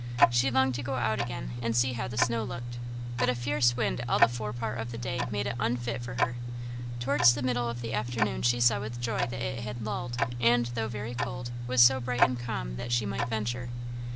She longed to go out again and see how the snow looked, but a fierce wind all the fore part of the day made it unfit for her. Towards the middle of the afternoon she saw with joy that it had lulled, and, though very cold, was so bright and calm, that she might venture.